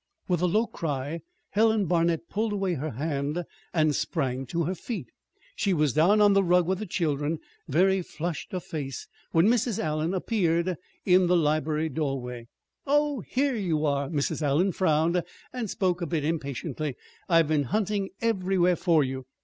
With a low cry Helen Barnet pulled away her hand and sprang to her feet. She was down on the rug with the children, very flushed of face, when Mrs. Allen appeared in the library doorway. "Oh, here you are!" Mrs. Allen frowned and spoke a bit impatiently. "I've been hunting everywhere for you.